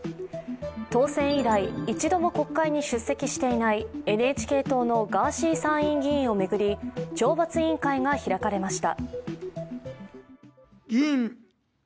当選以来、一度も国会に出席していないＮＨＫ党のガーシー参院議員を巡り懲罰委員会が開かれました。